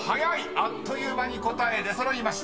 ［あっという間に答え出揃いました］